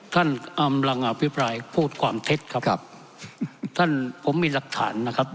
กำลังอภิปรายพูดความเท็จครับครับท่านผมมีหลักฐานนะครับ